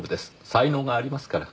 才能がありますから。